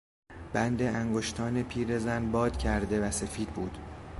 بند انگشتان پیرزن بادکرده و سفید بود.